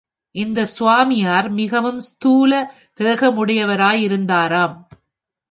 இந்த ஸ்வாமியார் மிகவும் ஸ்தூல தேகமுடையவராகவிருந்தாராம்.